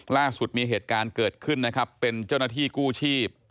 ล่าสุดมีเหตุการณ์เกิดขึ้นนะครับเป็นเจ้าหน้าที่กู้ชีพ